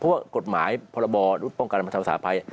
เพราะว่ากฎหมายพบอุทธิ์ป้องกันบัญชาวสาภัย